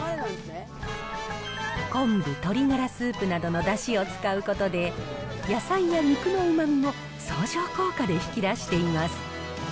昆布、鶏がらスープなどのだしを使うことで、野菜や肉のうまみを相乗効果で引き出しています。